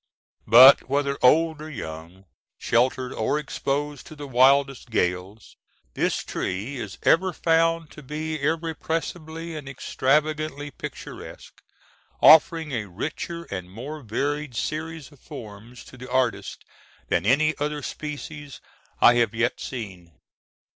But, whether old or young, sheltered or exposed to the wildest gales, this tree is ever found to be irrepressibly and extravagantly picturesque, offering a richer and more varied series of forms to the artist than any other species I have yet seen.